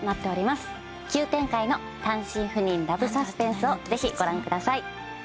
急展開の単身赴任ラブサスペンスをぜひご覧ください。